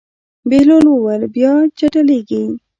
بهلول وویل: بیا چټلېږي.